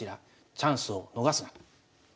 「チャンスをのがすな」。